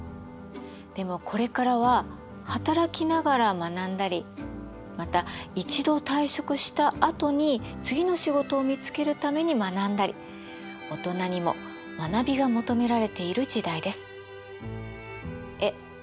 でもこれからは働きながら学んだりまた一度退職したあとに次の仕事を見つけるために学んだりオトナにも学びが求められている時代です。え？